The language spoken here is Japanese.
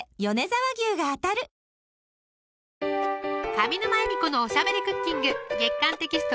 上沼恵美子のおしゃべりクッキング月刊テキスト